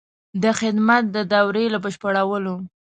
د خدمت د دورې له بشپړولو.